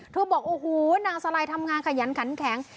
บอกโอ้โหนางสไลทำงานขยันขันแข็ง